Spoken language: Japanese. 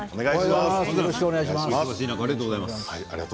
お忙しい中ありがとうございます。